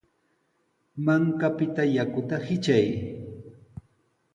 Mankapita yakuta hitray.